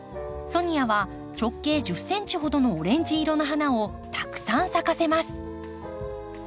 ソニアは直径１０ｃｍほどのオレンジ色の花をたくさん咲かせます。